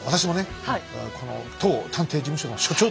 この当探偵事務所の所長としてですね